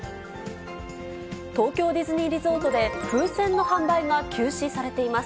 東京ディズニーリゾートで、風船の販売が休止されています。